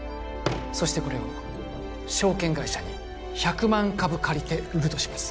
そしてこれを証券会社に１００万株借りて売るとします